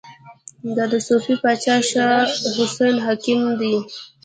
دا د صفوي پاچا شاه حسين حکم دی.